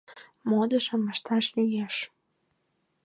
— Модышым ышташ лиеш.